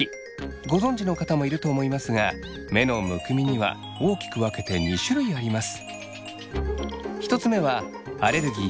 ご存じの方もいると思いますが目のむくみには大きく分けて２種類あります。